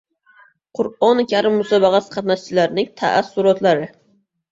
Qur’oni karim musobaqasi qatnashchilarining taassurotlari